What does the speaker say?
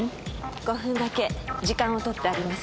５分だけ時間を取ってあります。